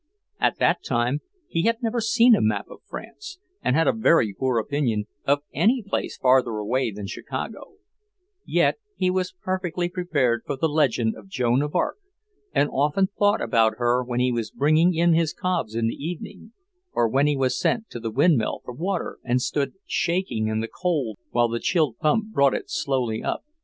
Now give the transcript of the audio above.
At that time he had never seen a map of France, and had a very poor opinion of any place farther away than Chicago; yet he was perfectly prepared for the legend of Joan of Arc, and often thought about her when he was bringing in his cobs in the evening, or when he was sent to the windmill for water and stood shaking in the cold while the chilled pump brought it slowly up.